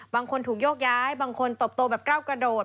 บางคนถูกโยกย้ายบางคนตบโตแบบก้าวกระโดด